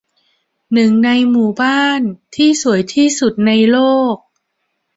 หนึ่งในหมู่บ้านที่สวยที่สุดในโลก